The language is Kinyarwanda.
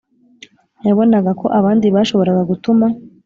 yabonaga ko abandi bashoboraga gutuma